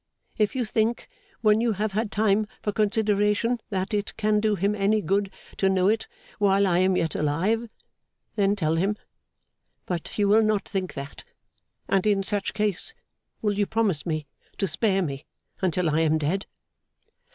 If you think, when you have had time for consideration, that it can do him any good to know it while I am yet alive, then tell him. But you will not think that; and in such case, will you promise me to spare me until I am dead?